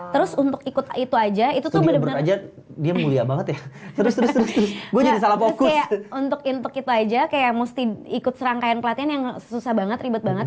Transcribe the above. terus untuk ikut itu aja itu tuh bener bener